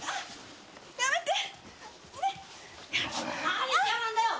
やめて！